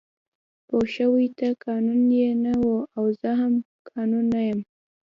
پوه شوې ته قانون نه یې او زه هم قانون نه یم